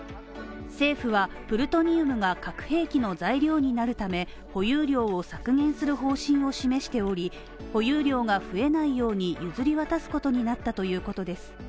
政府はプルトニウムが核兵器の材料になるため、保有量を削減する方針を示しており、保有量が増えないように譲り渡すことになったということです。